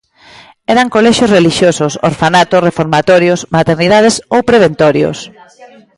Eran Colexios relixiosos, Orfanatos, Reformatorios, Maternidades, ou Preventorios.